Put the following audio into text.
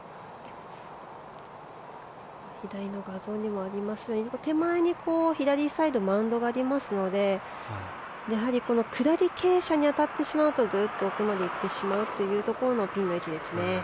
左の画像にもありますが手前に左サイドマウンドがありますのでやはり下り傾斜に当たってしまうとグッと奥まで行ってしまうというところのピンの位置ですね。